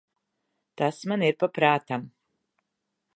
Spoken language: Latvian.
Tas man ir pa prātam.